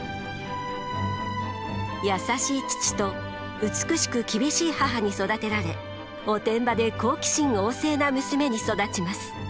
優しい父と美しく厳しい母に育てられおてんばで好奇心旺盛な娘に育ちます。